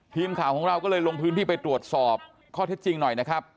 ทีมข่าวของเราก็เลยลงพื้นที่ไปตรวจสอบข้อเท็จจริงหน่อยนะครับ